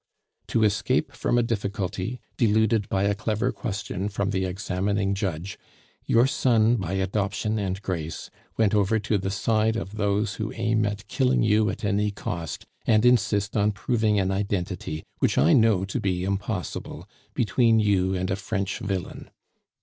To escape from a difficulty, deluded by a clever question from the examining judge, your son by adoption and grace went over to the side of those who aim at killing you at any cost, and insist on proving an identity, which I know to be impossible, between you and a French villain.